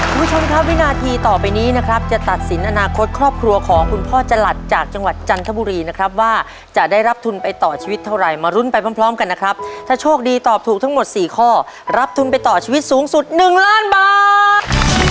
คุณผู้ชมครับวินาทีต่อไปนี้นะครับจะตัดสินอนาคตครอบครัวของคุณพ่อจรัสจากจังหวัดจันทบุรีนะครับว่าจะได้รับทุนไปต่อชีวิตเท่าไหร่มารุ้นไปพร้อมพร้อมกันนะครับถ้าโชคดีตอบถูกทั้งหมดสี่ข้อรับทุนไปต่อชีวิตสูงสุด๑ล้านบาท